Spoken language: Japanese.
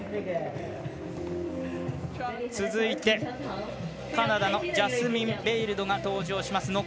続いてカナダのジャスミン・ベイルドが登場です。